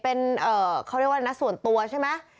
เป็นเขาเรียกว่านะส่วนตัวใช่ไหม